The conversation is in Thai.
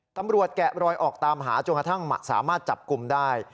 แกะรอยออกตามหาจนกระทั่งสามารถจับกลุ่มได้